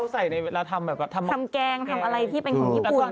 ใช่ทำแกงทำอะไรที่เป็นของญี่ปุ่น